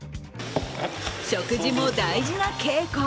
食事も大事な稽古。